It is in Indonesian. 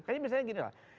kayaknya misalnya gini lah